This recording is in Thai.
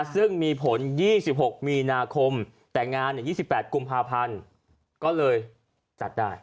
ซึ่งมีผล๒๖มีนาคมแต่งาน๒๘กุมภาพันธ์ก็เลยจัดได้